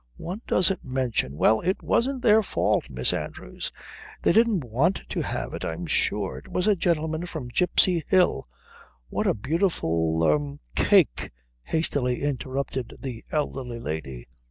"One doesn't mention " "Well, it wasn't their fault, Miss Andrews. They didn't want to have it, I'm sure. It was a gentleman from Gipsy Hill " "What a beautiful er cake," hastily interrupted the elderly lady.